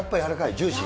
ジューシー？